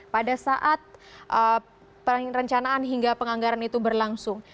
pada saat perencanaan hingga penganggaran itu berlangsung